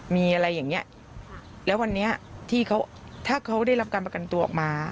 มีอะไรอย่างเงี้ยแล้ววันนี้ที่เขาถ้าเขาได้รับการประกันตัวออกมา